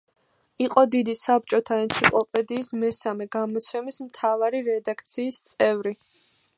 იყო დიდი საბჭოთა ენციკლოპედიის მესამე გამოცემის მთავარი რედაქციის წევრი.